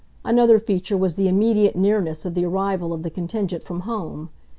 Another feature was the immediate nearness of the arrival of the contingent from home.